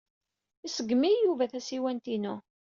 Iṣeggem-iyi Yuba tasiwant-inu.